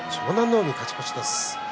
海、勝ち越しです。